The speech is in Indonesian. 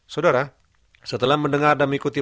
saudara setelah mendengar dan mengikuti